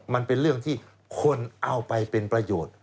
มันเป็นเรื่องที่คนเอาไปเป็นประโยชน์